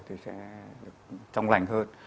thì sẽ trong lành hơn